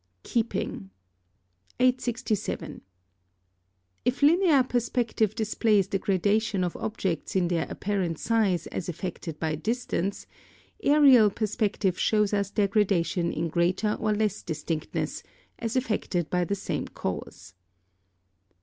KEEPING. 867. If linear perspective displays the gradation of objects in their apparent size as affected by distance, aërial perspective shows us their gradation in greater or less distinctness, as affected by the same cause.